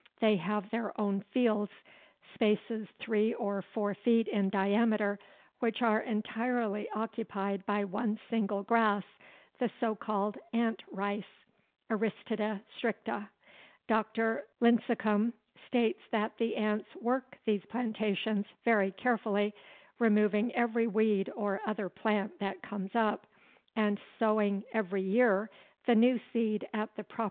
They have their own fields spaces three or four feet in diameter which are entirely occupied by one single grass, the so called Ant rice (Aristida stricta). Dr. Lincecum states that the ants "work" these plantations very carefully, removing every weed or other plant that comes up, and sowing every year the new seed at the proper season.